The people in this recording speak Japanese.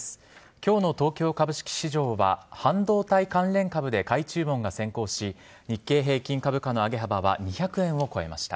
きょうの東京株式市場は、半導体関連株で買い注文が先行し、日経平均株価の上げ幅は２００円を超えました。